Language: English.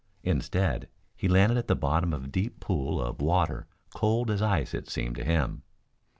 Instead he landed at the bottom of a deep pool of water cold as ice it seemed to him.